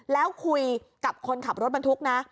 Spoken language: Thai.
แล้วคุยกับคนขับรถบรรทุกนะ